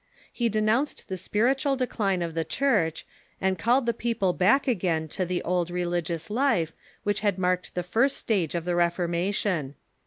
He denounced the spiritual decline of the Church, and called the people back again to the old religious life which had marked the first stage of the Ref ormation.